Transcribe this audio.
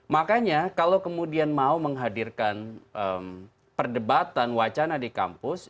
makanya kalau kemudian mau menghadirkan perdebatan wacana di kampus